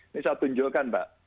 ini saya tunjukkan mbak